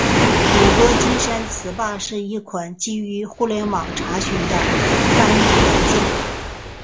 谷歌金山词霸是一款基于互联网查询的翻译软件。